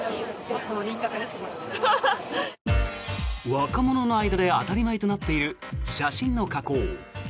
若者の間で当たり前となっている写真の加工。